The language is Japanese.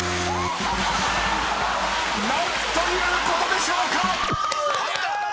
［何ということでしょうか！］